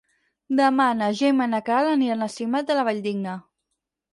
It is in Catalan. Demà na Gemma i na Queralt aniran a Simat de la Valldigna.